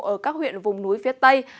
ở các huyện vùng núi phía tây